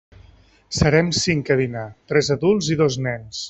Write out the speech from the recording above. Serem cinc a dinar, tres adults i dos nens.